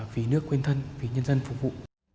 vì nước quên thân vì nhân dân phục vụ